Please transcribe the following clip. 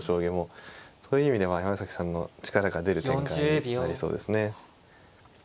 そういう意味では山崎さんの力が出る展開になりそうですね。